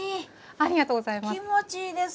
ありがとうございます。